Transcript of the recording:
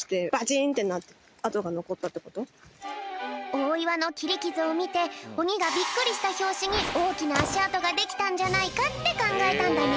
おおいわのきりきずをみておにがビックリしたひょうしにおおきなあしあとができたんじゃないかってかんがえたんだね。